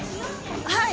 はい！